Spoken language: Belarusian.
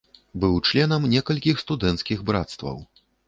Быў членам некалькіх студэнцкіх брацтваў.